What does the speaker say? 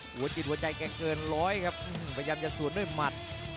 คำว่าทิ้งตัวนี้ไม่อยู่ในศาลระบบของฟ้าสังเลยครับ